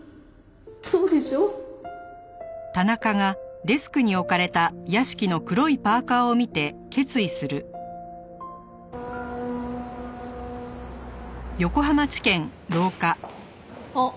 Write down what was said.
そうでしょ？あっ。